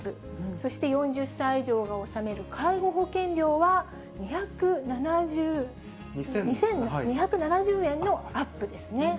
そして４０歳以上が納める介護保険料は２７０円のアップですね。